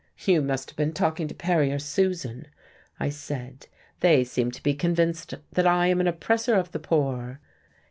"You must have been talking to Perry or Susan," I said. "They seem to be convinced that I am an oppressor of the poor.